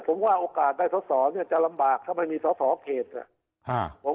ผมว่าโอกาสได้สอสอดเนี่ยจะลำบากสมัยมีสอสอครรภิกษาอ่าฮ่า